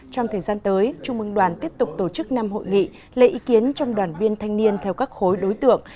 trong thời gian tới trung ương đoàn tiếp tục tổ chức năm hội nghị lấy ý kiến trong đoàn viên thanh niên theo các khối đối tượng